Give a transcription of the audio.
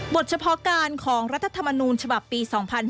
บทเฉพาการของรัฐธรรมนูลชบับปี๒๕๖๐